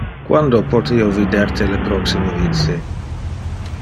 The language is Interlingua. Quando pote io vider te le proxime vice?